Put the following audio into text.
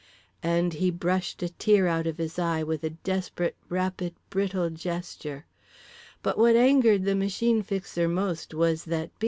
_" and he brushed a tear out of his eye with a desperate rapid brittle gesture…. But what angered the Machine Fixer most was that B.